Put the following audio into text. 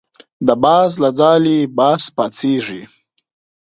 د باز له ځالې باز پاڅېږي.